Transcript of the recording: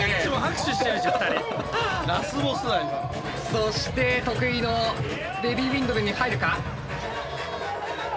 そして得意のベビーウィンドミルに入るか。